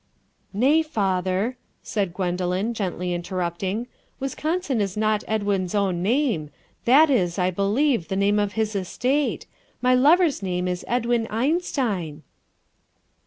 "Nay, father," said Gwendoline, gently interrupting, "Wisconsin is not Edwin's own name: that is, I believe, the name of his estate. My lover's name is Edwin Einstein."